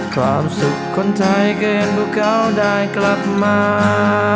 ความสุขคนไทยเกินพวกเขาได้กลับมา